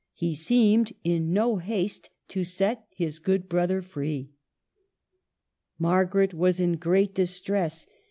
He seemed in no haste to set his good brother free. Margaret was in great distress.